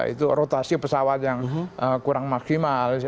itu rotasi pesawat yang kurang maksimal